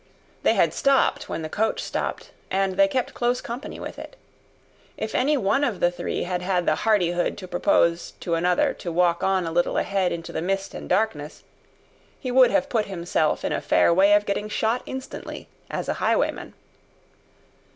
They had stopped when the coach stopped, and they kept close company with it. If any one of the three had had the hardihood to propose to another to walk on a little ahead into the mist and darkness, he would have put himself in a fair way of getting shot instantly as a highwayman.